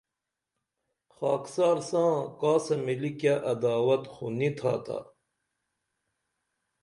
خاکسار ساں کاسہ مِلی کیہ عداوت خو نی تھاتا